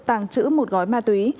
tàng trữ một gói ma túy